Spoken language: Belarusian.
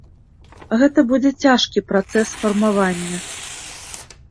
Гэта будзе цяжкі працэс фармавання.